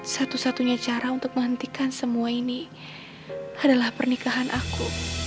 satu satunya cara untuk menghentikan semua ini adalah pernikahan aku